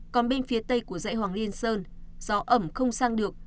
còn bên phía tây của dãy hoàng liên sơn gió ẩm không sang được